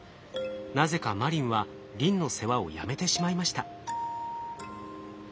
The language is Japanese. なぜかマリンはリンの世話をやめてしまいました。